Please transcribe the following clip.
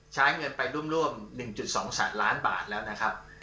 ใช้เงินไปร่วม๑๒แสนล้านบาทแล้วนะครับ